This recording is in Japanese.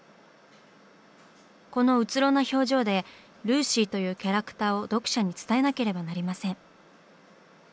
このうつろな表情でルーシーというキャラクターを読者に伝えなければなりません。